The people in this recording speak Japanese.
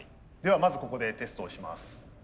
ではまずここでテストをします。